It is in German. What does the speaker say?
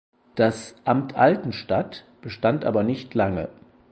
Das "Amt Altenstadt" bestand aber nicht lange.